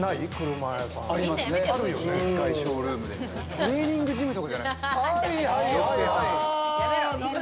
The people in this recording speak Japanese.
トレーニングジムとかじゃないですか？